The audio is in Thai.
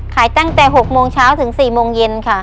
ขายตั้งแต่๑๘จาก๖โมงเช้าถึง๑๘จาก๔โมงเย็นค่ะ